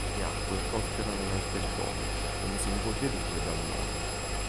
Le acque prosperano nel territorio, come se ne può dedurre dal nome.